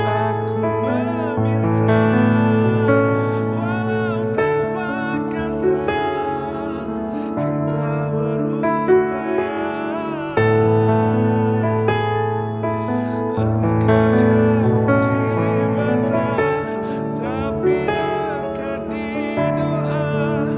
aku meminta walau terbakarkan cinta baru berubah